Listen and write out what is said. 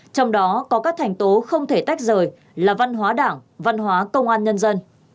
trong đó có các thành tố không thể tách rời là văn hóa đảng văn hóa công an nhân dân